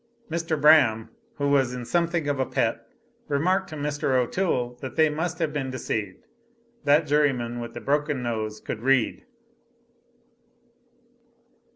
Mr. Braham, who was in something of a pet, remarked to Mr. O'Toole that they must have been deceived that juryman with the broken nose could read!